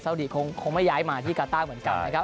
ดีคงไม่ย้ายมาที่กาต้าเหมือนกันนะครับ